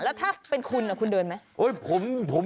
แล้วถ้าเป็นคุณคุณเดินไหม